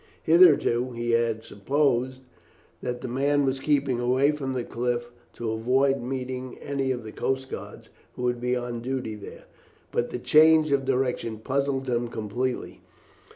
Hitherto he had supposed that the man was keeping away from the cliff to avoid meeting any of the coast guards who would be on duty there, but this change of direction puzzled him completely.